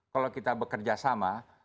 kalau kita bekerja sama